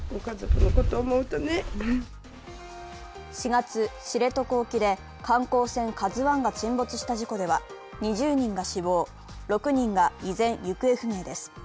４月、知床沖で観光船「ＫＡＺＵⅠ」が沈没した事故では２０人が死亡、６人が依然、行方不明です。